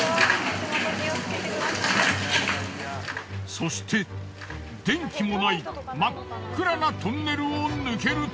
そして電気もない真っ暗なトンネルを抜けると。